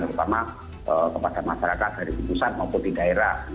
terutama kepada masyarakat dari pusat maupun di daerah